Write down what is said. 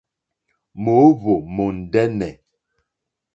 Mòóhwò mòndɛ́nɛ̀.